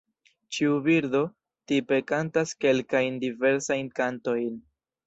Ĉiu birdo tipe kantas kelkajn diversajn kantojn.